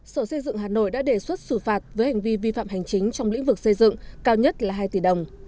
sở xây dựng hà nội đã đề xuất xử phạt với hành vi vi phạm hành chính trong lĩnh vực xây dựng cao nhất là hai tỷ đồng